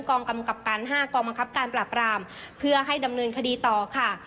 กองกำกับการ๕กองบังคับการปราบรามเพื่อให้ดำเนินคดีต่อค่ะ